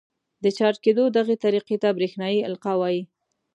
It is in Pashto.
د چارج کېدو دغې طریقې ته برېښنايي القاء وايي.